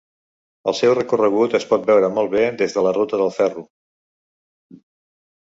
El seu recorregut es pot veure molt bé des de la ruta del ferro.